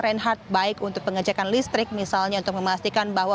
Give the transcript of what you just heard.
reinhard baik untuk pengecekan listrik misalnya untuk memastikan bahwa